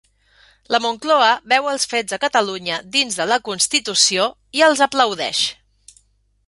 La Moncloa veu els fets a Catalunya dins de la constitució i els aplaudeix